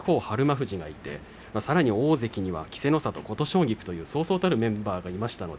富士がいて大関には稀勢の里と琴奨菊とそうそうたるメンバーがいました。